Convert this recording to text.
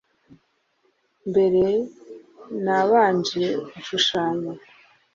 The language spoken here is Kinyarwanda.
Mbere nabanje gushushanya